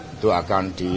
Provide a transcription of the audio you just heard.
itu akan dipercaya